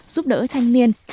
giúp đỡ thanh niên